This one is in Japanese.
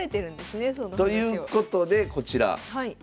その話を。ということでこちら。